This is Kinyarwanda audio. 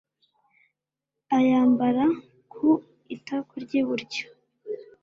ayambara ku itako ry'iburyo